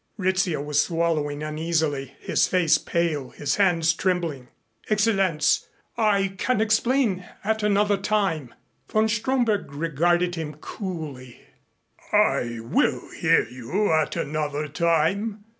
Rizzio was swallowing uneasily, his face pale, his hands trembling. "Excellenz, I can explain at another time." Von Stromberg regarded him coolly. "I will hear you at another time.